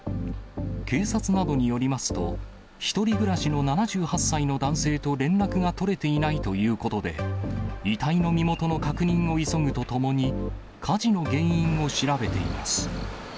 警察などによりますと、１人暮らしの７８歳の男性と連絡が取れていないということで、遺体の身元の確認を急ぐとともに、火事の原因を調べています。